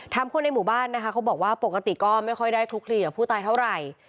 คนในหมู่บ้านนะคะเขาบอกว่าปกติก็ไม่ค่อยได้คลุกคลีกับผู้ตายเท่าไหร่